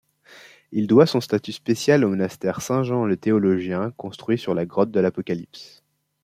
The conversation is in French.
Il doit son statut spécial au monastère Saint-Jean-le-Théologien construit sur la grotte de l'Apocalypse.